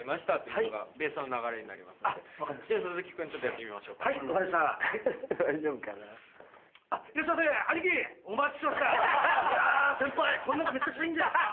これなんかめちゃくちゃいいんじゃないっすか？